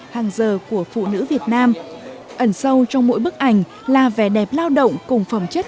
hàng giờ của phụ nữ việt nam ẩn sâu trong mỗi bức ảnh là vẻ đẹp lao động cùng phẩm chất